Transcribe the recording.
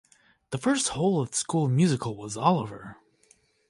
The first whole of school musical was Oliver!